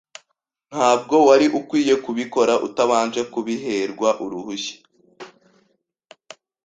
Ntabwo wari ukwiye kubikora utabanje kubiherwa uruhushya.